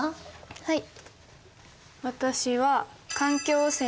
はい。